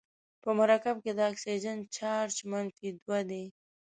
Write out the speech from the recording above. په مرکب کې د اکسیجن چارج منفي دوه دی.